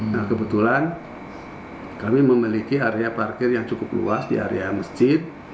nah kebetulan kami memiliki area parkir yang cukup luas di area masjid